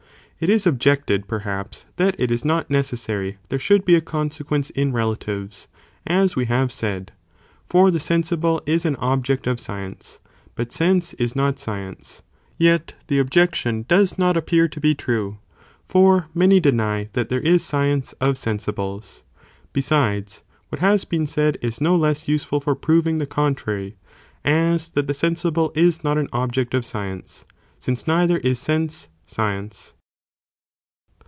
It is objected (perhaps), that it is not necessary there should be a consequence in relatives, as we have said, for the sensible is an object of science, but sense is not science, yet the objection does not appear to be true, for many deny that there is science of sensibles. Besides, what has been said is no less useful for (proving) the contrary, as that the sensible is not an object of science, since neither is sense, science.